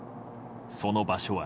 その場所は。